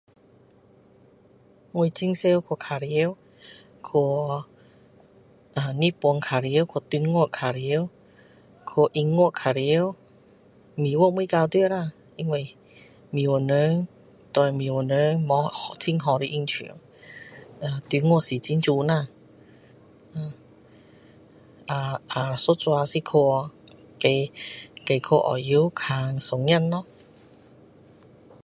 我很常去脚溜，去日本脚溜，去中国脚溜，去英国脚溜，美国未到过啦，因为美国人，对美国人无很好的影响。中国是很美啦！uhm 下下一所是去，再再去澳洲看孙子啦！